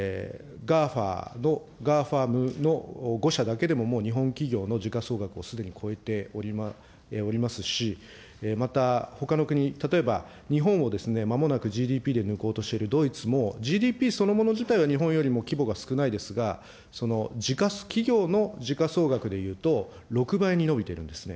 ガーファムの５社だけでももう日本企業の時価総額をすでに超えておりますし、またほかの国、例えば日本をまもなくＧＤＰで抜こうとしているドイツも、ＧＤＰそのもの自体は日本よりも規模が少ないですが、時価、企業の時価総額でいうと、６倍に伸びているんですね。